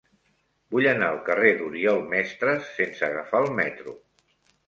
Vull anar al carrer d'Oriol Mestres sense agafar el metro.